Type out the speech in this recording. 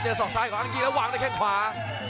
ศอกซ้ายของอังกีแล้ววางด้วยแข้งขวา